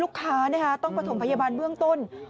ลูกค้าต้องประถมพยาบาลเบื้องต้น